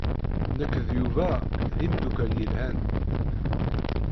Nekk d Yuba d imeddukal yelhan.